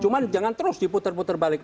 cuma jangan terus diputer puter balik